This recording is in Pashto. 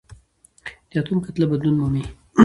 د اتوم کتله بدلون مومي.